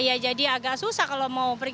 ya jadi agak susah kalau mau pergi